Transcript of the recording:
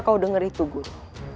kau dengar itu guru